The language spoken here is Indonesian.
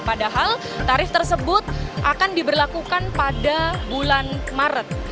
padahal tarif tersebut akan diberlakukan pada bulan maret